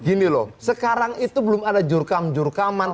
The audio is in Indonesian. gini loh sekarang itu belum ada jurkam jurkaman